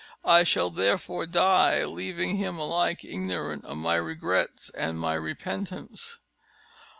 I shall therefore die, leaving him alike ignorant of my regrets and my repentance."